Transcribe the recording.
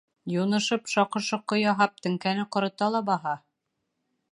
Юнышып, шаҡы-шоҡо яһап, теңкәне ҡорота ла баһа.